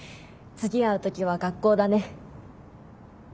次会う時は学校だね。